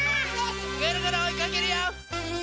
ぐるぐるおいかけるよ！